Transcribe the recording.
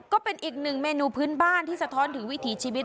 ก็เป็นอีกหนึ่งเมนูพื้นบ้านที่สะท้อนถึงวิถีชีวิต